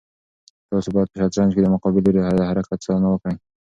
تاسو باید په شطرنج کې د مقابل لوري د هر حرکت څارنه وکړئ.